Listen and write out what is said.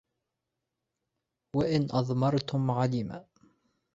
وَإِنْ أَضْمَرْتُمْ عَلِمَ